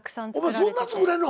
お前そんな作れんの？